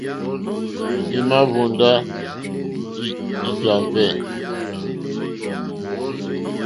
Í má ǃhwóndó ǃjá hwɛ̂.